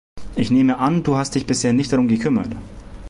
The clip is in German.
Ich nehme an, du hast dich bisher nicht darum gekümmert?